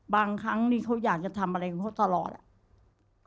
บางครั้งนี่เขาอยากจะทำอะไรก็ตลอดอ่ะ